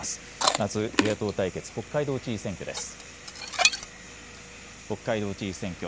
まず、与野党対決、北海道知事選挙です。